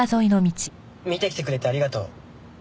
見てきてくれてありがとう。